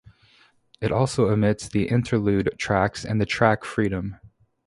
It also omits the Interlude tracks and the track Freedom.